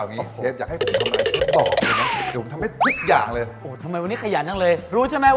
พี่จะช่วยผมใช่ไหม